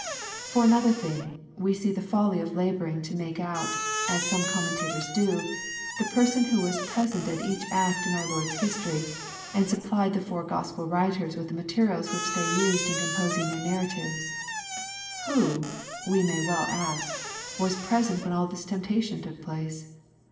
For another thing, we see the foUy of laboring to make out, r as some commentators do, the person who was present at each act in our Lord's history, and supplied the four Gospel writers I with the materials which they used in composing their narra I tives. Who, we may well ask, was present when all this / temptation took place?